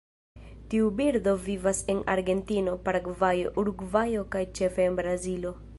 Tiu birdo vivas en Argentino, Paragvajo, Urugvajo kaj ĉefe en Brazilo.